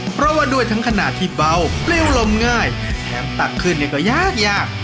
เพราะว่าด้วยทั้งขนาดที่เบาปลิ้วลมง่ายแถมตักขึ้นเนี่ยก็ยากยาก